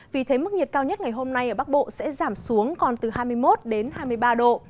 vì thế mức nhiệt cao nhất ngày hôm nay ở bắc bộ sẽ giảm xuống còn từ hai mươi một hai mươi ba độ